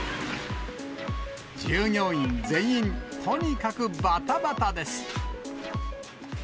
従業員全員、とにかくばたばたです。